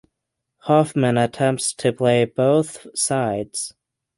Hoffman attempts to play both sides.